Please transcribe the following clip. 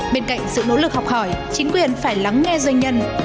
bên cạnh sự nỗ lực học hỏi chính quyền phải lắng nghe doanh nhân